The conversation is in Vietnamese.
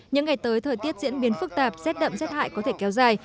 những ngày tới thời tiết diễn biến phức tạp rét đậm rét hại có thể kéo dài